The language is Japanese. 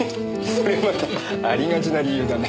それまたありがちな理由だね。